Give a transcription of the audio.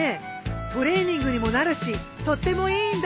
トレーニングにもなるしとってもいいんだ。